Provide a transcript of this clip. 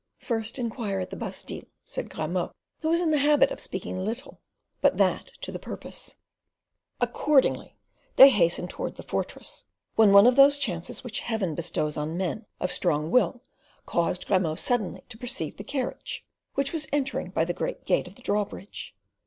"First inquire at the Bastile," said Grimaud, who was in the habit of speaking little, but that to the purpose. Accordingly, they hastened towards the fortress, when one of those chances which Heaven bestows on men of strong will caused Grimaud suddenly to perceive the carriage, which was entering by the great gate of the drawbridge.